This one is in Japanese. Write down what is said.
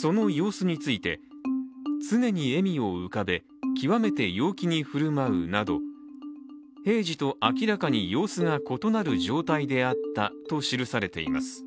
その様子について、常に笑みを浮かべ極めて陽気に振る舞うなど平時と明らかに様子が異なる状態であったと記されています。